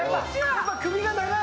やっぱり首が長い。